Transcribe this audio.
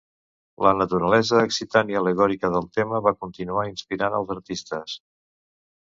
La naturalesa excitant i al·legòrica del tema va continuar inspirant els artistes.